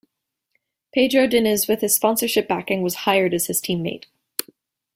Pedro Diniz with his sponsorship backing was hired as his teammate.